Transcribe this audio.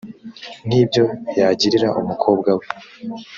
nk ibyo yagirira umukobwa we